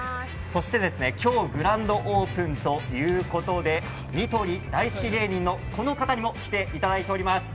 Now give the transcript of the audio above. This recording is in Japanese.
そして、今日グランドオープンということでニトリ大好き芸人のこの方にも来ていただいております。